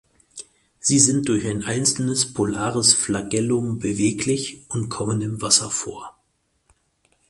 Sie sind durch ein einzelnes polares Flagellum beweglich und kommen im Wasser vor.